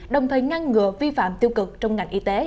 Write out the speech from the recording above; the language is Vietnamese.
đồng thời ngăn ngừa vi phạm tiêu cực trong ngành y tế